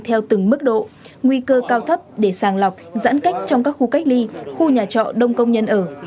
theo từng mức độ nguy cơ cao thấp để sàng lọc giãn cách trong các khu cách ly khu nhà trọ đông công nhân ở